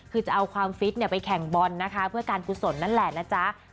คือจะเอาความฟิตไปแข่งบอลนะคะเพื่อการกุศลนั่นแหละนะจ๊ะ